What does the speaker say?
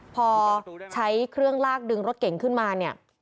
พอใช้เครื่องลากดึงรถเก่งขึ้นมาเนี่ย